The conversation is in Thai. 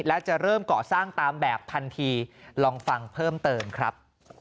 และจะเริ่มก่อสร้างตามแบบทันทีลองฟังเพิ่มเติมครับ